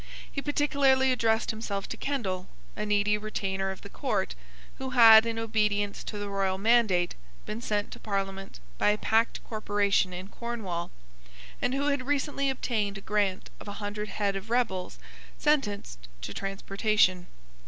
He particularly addressed himself to Kendall, a needy retainer of the court, who had, in obedience to the royal mandate, been sent to Parliament by a packed corporation in Cornwall, and who had recently obtained a grant of a hundred head of rebels sentenced to transportation.